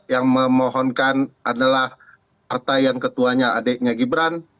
yang memohonkan adalah harta yang ketuanya adiknya gibran